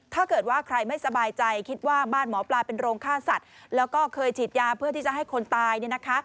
ถ้าเกิดว่าใครไม่สบายใจคิดว่าบ้านหมอปลาเป็นโรงค่าศัตริย์